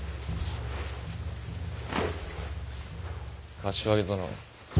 柏木殿。